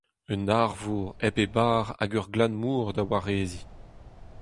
Un arvor hep e bar hag ur glad mor da wareziñ.